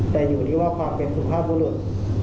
แต่อยู่ที่ว่าความเป็นสุภาพบุรุษ